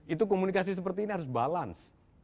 itu komunikasi seperti ini harus balance